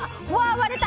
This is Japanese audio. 割れた！